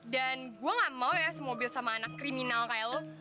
dan gue gak mau ya semobil sama anak kriminal kayak lo